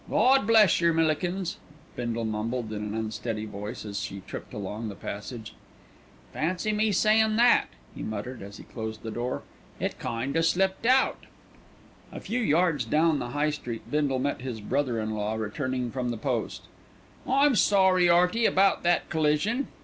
"Gawd bless yer, Millikins," Bindle mumbled in an unsteady voice, as she tripped along the passage. "Fancy me sayin' that!" he muttered, as he closed the door. "It kind o' slipped out." A few yards down the High Street Bindle met his brother in law returning from the post. "I'm sorry, 'Earty, about that collision.